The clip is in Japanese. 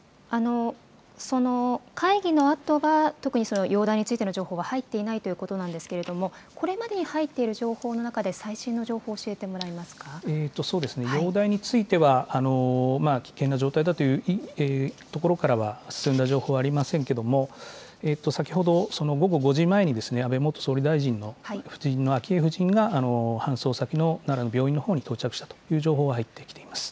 会議のあとは特に容体についての情報は入っていないということなんですけれども、これまでに入っている情報の中で、最新の情容体については、危険な状態だというところからは進んだ情報はありませんけれども、先ほど午後５時前に、安倍元総理大臣の夫人の昭恵夫人が、搬送先の奈良の病院のほうに到着したという情報が入ってきています。